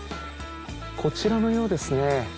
こちらのようですね。